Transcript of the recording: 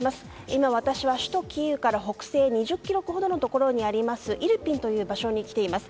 今、私は首都キーウから北西２０ｋｍほどのところにあるイルピンという場所に来ています。